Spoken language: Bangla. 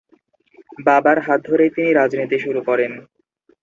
বাবার হাত ধরেই তিনি রাজনীতি শুরু করেন।